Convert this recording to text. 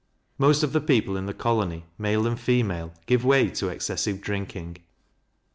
Most of the people in the colony, male and female, give way to excessive drinking.